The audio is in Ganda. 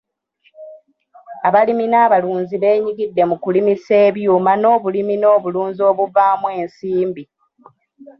Abalimi n'abalunzi beenyigidde mu kulimisa ebyuma n'obulimi n'obulunzi obuvaamu ensimbi.